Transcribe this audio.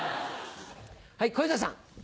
はい小遊三さん。